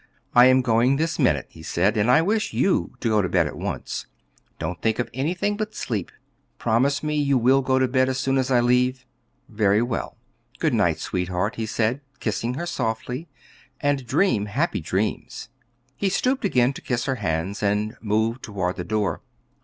"I am going this minute," he said; "and I wish you to go to bed at once. Don't think of anything but sleep. Promise me you will go to bed as soon as I leave." "Very well." "Good night, sweetheart," he said, kissing her softly, "and dream happy dreams." He stooped again to kiss her hands, and moved toward the door.